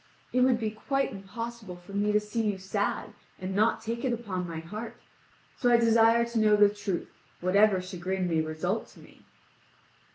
"It would be quite impossible for me to see you sad and nor take it upon my heart, so I desire to know the truth, whatever chagrin may result to me."